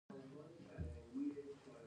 آیا د ژمي جامې بازار نلري؟